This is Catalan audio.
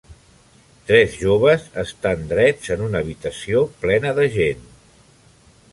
Tres joves estan drets en una habitació plena de gent